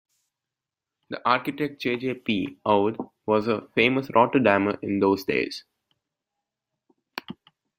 The architect J. J. P. Oud was a famous Rotterdammer in those days.